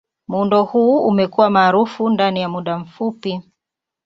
Muundo huu umekuwa maarufu ndani ya muda mfupi.